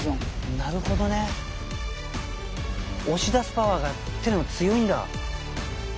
なるほどね押し出すパワーが強いんだ。